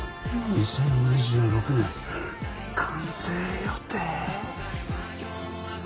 ２０２６年完成予定？